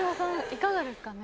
いかがですかね？